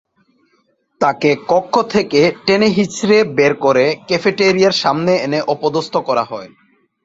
তাঁকে কক্ষ থেকে টেনেহিঁচড়ে বের করে ক্যাফেটেরিয়ার সামনে এনে অপদস্থ করা হয়।